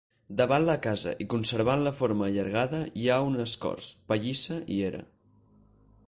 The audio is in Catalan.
Davant la casa i conservant la forma allargada hi ha unes corts, pallissa i era.